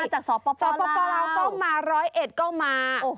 มาจากสอบปลล้าวสอบปลล้าวก็มา๑๐๑ก็มา